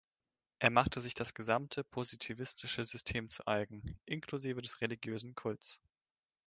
Er machte sich das gesamte positivistische System zu Eigen, inklusive des religiösen Kults.